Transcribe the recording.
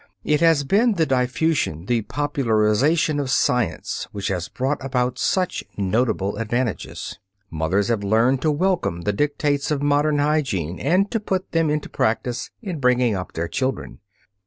It has been the diffusion, the popularization of science, which has brought about such notable advantages. Mothers have learned to welcome the dictates of modern hygiene and to put them into practice in bringing up their children.